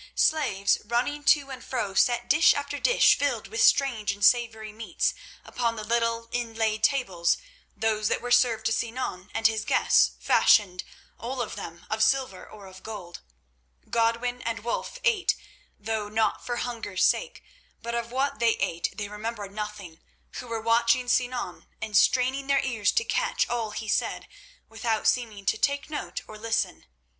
Slaves running to and fro, set dish after dish filled with strange and savoury meats, upon the little inlaid tables, those that were served to Sinan and his guests fashioned, all of them, of silver or of gold. Godwin and Wulf ate, though not for hunger's sake, but of what they ate they remembered nothing who were watching Sinan and straining their ears to catch all he said without seeming to take note or listen.